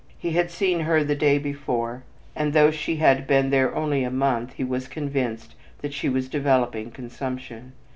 He had seen her the day before, and though she had been there only a month he was convinced that she was developing consumption.